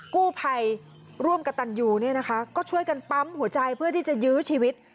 กู้ภัยร่วมกับตันยูเนี่ยนะคะก็ช่วยกันปั๊มหัวใจเพื่อที่จะยื้อชีวิต